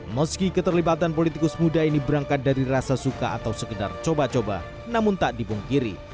meski keterlibatan politikus muda ini berangkat dari rasa suka atau sekedar coba coba namun tak dipungkiri